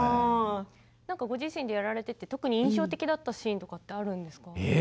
ご自身でやられていて特に印象的だったシーンはあるんですか。